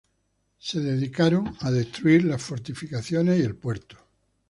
Se dedicaron a destruir las fortificaciones y el puerto.